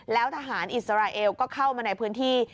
แล้วทหารอิสราเอลก็เข้ามาในพื้นที่